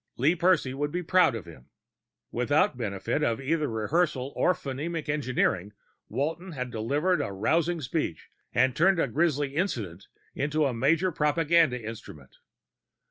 Lee Percy would be proud of him. Without benefit either of rehearsal or phonemic engineering, Walton had delivered a rousing speech and turned a grisly incident into a major propaganda instrument.